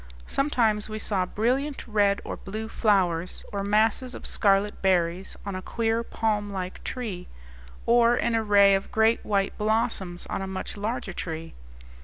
Sometimes we saw brilliant red or blue flowers, or masses of scarlet berries on a queer palm like tree, or an array of great white blossoms on a much larger tree.